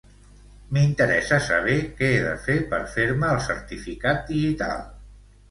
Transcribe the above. M'interessa saber què he de fer per fer-me el certificat digital.